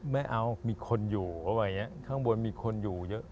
ไม่เอามีคนอยู่อะไรอย่างนี้ข้างบนมีคนอยู่เยอะ